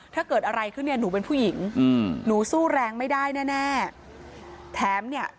ถ้าเกิดอะไรขึ้นนี่หนูเป็นผู้หญิงหนูสู้แรงไม่ได้แน่แน่